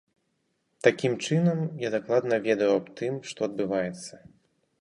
Такім чынам, я дакладна ведаў аб тым, што адбываецца.